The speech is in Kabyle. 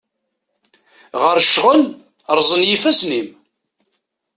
Ɣer ccɣel, rẓen yifassen-im.